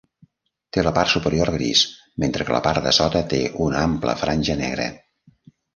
Té la part superior gris, mentre que la part de sota té una ampla franja negra.